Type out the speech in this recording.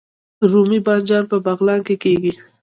رومي بانجان په بغلان کې کیږي